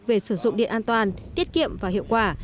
về sử dụng điện an toàn tiết kiệm và hiệu quả